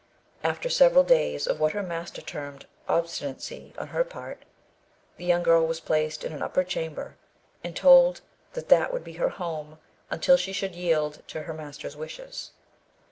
After several days of what her master termed "obstinacy" on her part, the young girl was placed in an upper chamber, and told that that would be her home, until she should yield to her master's wishes.